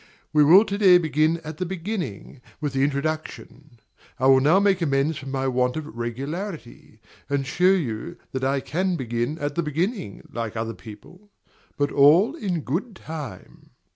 We will to day begin at the beginning, with the introduction. I will now make amends for my want of regularity, and show you that I can begin at the beginning, like other people; but all in good time.